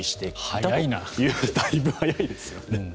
だいぶ早いですよね。